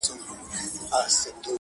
• پړ مي که مړ مي که ,